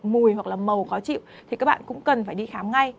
mùi hoặc là màu khó chịu thì các bạn cũng cần phải đi khám ngay